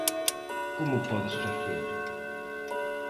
Como o podes facer?